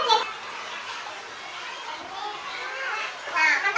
น้องน้องได้อยู่ทั้งส่วน